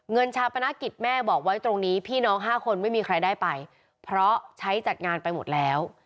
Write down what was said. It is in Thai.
ชาปนกิจแม่บอกไว้ตรงนี้พี่น้อง๕คนไม่มีใครได้ไปเพราะใช้จัดงานไปหมดแล้ว